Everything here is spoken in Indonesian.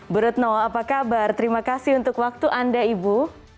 bu retno apa kabar terima kasih untuk waktu anda ibu